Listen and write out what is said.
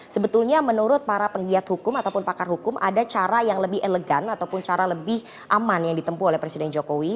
sebetulnya menurut para penggiat hukum ataupun pakar hukum ada cara yang lebih elegan ataupun cara lebih aman yang ditempuh oleh presiden jokowi